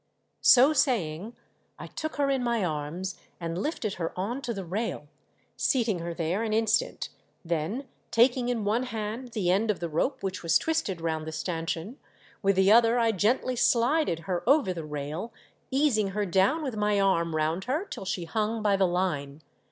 So saying I took her in my arms and lifted her on to the rail, seating her there an instant, then taking in one hand the end of the rope which was twisted round the stancheon, with the other I gently slided her over the rail, easing her down with my arm round her till she hung by the line.